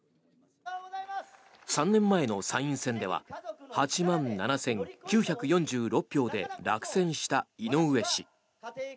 ３年前の参院選では８万７９４６票で落選した井上氏。